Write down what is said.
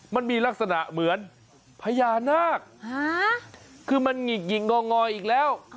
มันมีลักษณะเหมือนพญานาคคือมันหงิกหิกงองอยอีกแล้ว